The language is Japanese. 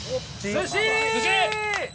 寿司！